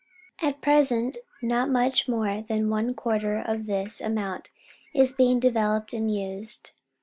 At present not much more than one quarter of tliis amount is being developed and used.